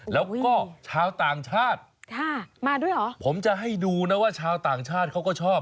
แล้วก็ชาวต่างชาติมาด้วยเหรอผมจะให้ดูนะว่าชาวต่างชาติเขาก็ชอบ